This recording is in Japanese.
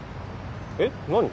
えっ何？